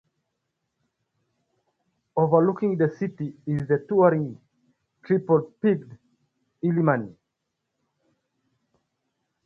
Overlooking the city is the towering, triple-peaked Illimani.